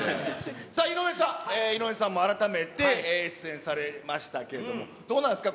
さあ、井上さん、井上さんも改めて出演されましたけれども、どうなんですか？